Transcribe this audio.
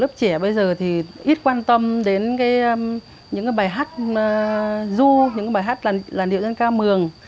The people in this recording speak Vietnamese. lớp trẻ bây giờ thì ít quan tâm đến những bài hát du những bài hát làn điệu dân ca mường